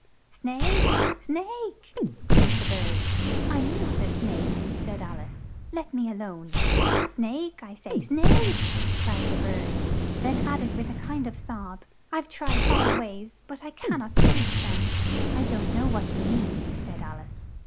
"Snake! snake!" screamed the bird. "I'm not a snake," said Al ice. "Let me a lone!" "Snake, I say, Snake!" cried the bird, then add ed with a kind of sob, "I've tried all ways, but I can not suit them." "I don't know what you mean," said Al ice.